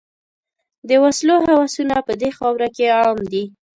د وسلو هوسونه په دې خاوره کې عام دي.